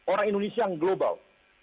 orang indonesia yang global